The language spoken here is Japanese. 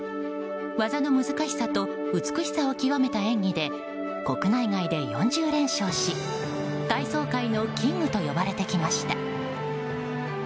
技の難しさと美しさを極めた演技で国内外で４０連勝し体操界のキングと呼ばれてきました。